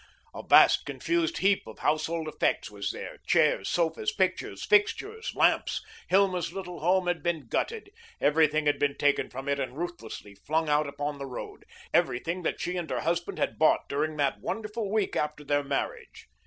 A vast, confused heap of household effects was there chairs, sofas, pictures, fixtures, lamps. Hilma's little home had been gutted; everything had been taken from it and ruthlessly flung out upon the road, everything that she and her husband had bought during that wonderful week after their marriage.